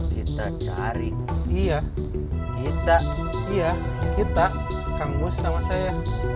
kita cari iya kita iya kita kanggu sama saya